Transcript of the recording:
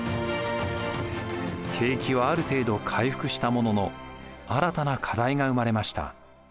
景気はある程度回復したものの新たな課題が生まれました。